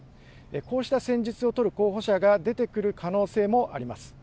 こうした戦術を取る候補者が出てくる可能性もあります。